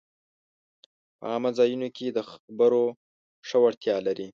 په عامه ځایونو کې د خبرو ښه وړتیا لري